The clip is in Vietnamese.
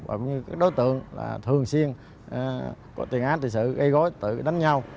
cũng như các đối tượng thường xuyên có tình án tự sự gây gói tự đánh nhau